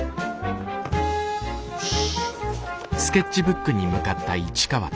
よし。